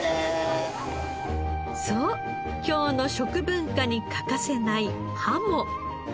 そう京の食文化に欠かせないはも。